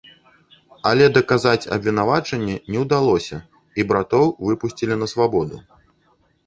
Але даказаць абвінавачанне не ўдалося, і братоў выпусцілі на свабоду.